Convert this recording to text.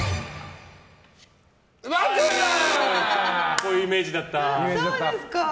こういうイメージだった。